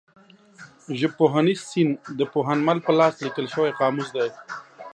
ژبپوهنیز سیند د پوهنمل په لاس لیکل شوی قاموس دی.